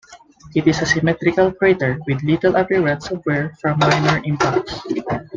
It is a symmetrical crater with little appearance of wear from minor impacts.